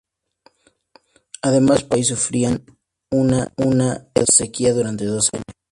Además, partes del país sufrieron una sequía durante dos años.